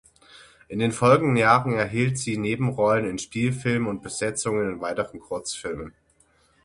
In den folgenden Jahren erhielt sie Nebenrollen in Spielfilmen und Besetzungen in weiteren Kurzfilmen.